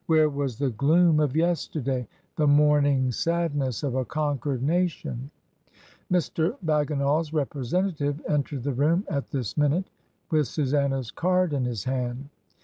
Where was the gloom RED COMES INTO FASHION. 22^ of yesterday, the mourning sadness of a conquered nation ? Mr. BagginaFs representative entered the room at this minute with Susanna's card in his hand.